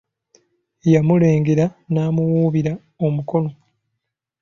Yamulengera n'amuwuubira omukono.